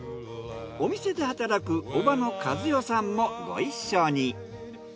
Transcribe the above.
お店で働く叔母の一代さんもご一緒に。